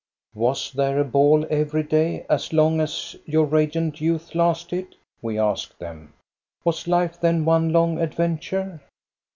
Was there a ball every day, as long as your radiant youth lasted?" we asked them. " Was life then one long adventure?